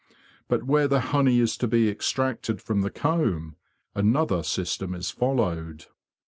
But where the honey is to be extracted from the comb another system is followed.